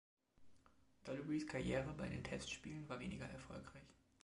Dollerys Karriere bei den Testspielen war weniger erfolgreich.